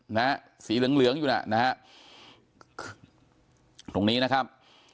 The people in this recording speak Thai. นะฮะสีเหลืองเหลืองอยู่น่ะนะฮะตรงนี้นะครับ